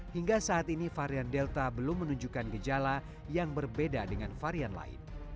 hingga saat ini varian delta belum menunjukkan gejala yang berbeda dengan varian lain